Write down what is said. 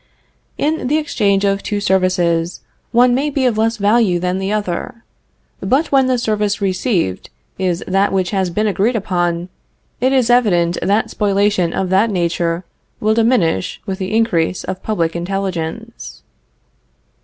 In the exchange of two services one may be of less value than the other, but when the service received is that which has been agreed upon, it is evident that spoliation of that nature will diminish with the increase of public intelligence.